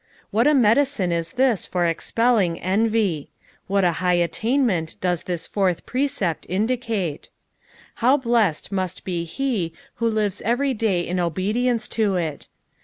What a medicine is this for expelling envy 1 What a high attainment does this ifi<m£^B precept indicate 1 How blessed muat he be who livea every day in obwueBce to it